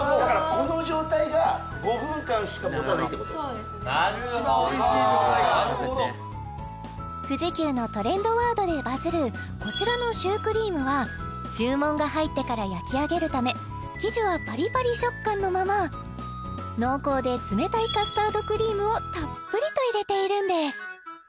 そうですね一番おいしい状態が富士急のトレンドワードでバズるこちらのシュークリームは注文が入ってから焼き上げるため生地はパリパリ食感のまま濃厚で冷たいカスタードクリームをたっぷりと入れているんです